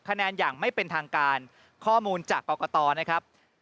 คะแนนอย่างไม่เป็นทางการข้อมูลจากกรกตนะครับ